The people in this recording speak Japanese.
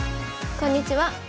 こんにちは。